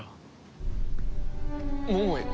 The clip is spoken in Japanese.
桃井！